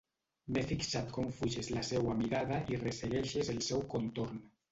M'he fixat com fuges la seua mirada i ressegueixes el seu contorn.